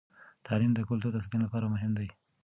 تعلیم د کلتور د ساتنې لپاره مهم دی.